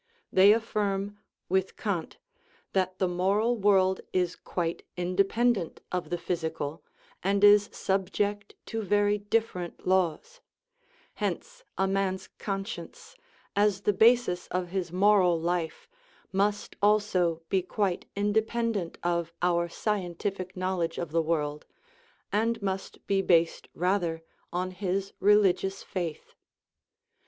They affirm, with Kant, that the moral world is quite independent of the physical, and is subject to very different laws ; hence a man's conscience, as the basis of his moral life, must also be quite independent of our scientific knowledge of the world, and must be based rather on his religious faith.